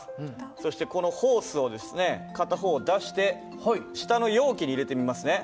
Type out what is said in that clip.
そしてこのホースをですね片方出して下の容器に入れてみますね。